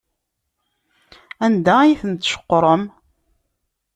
Anda ay ten-tceqrem?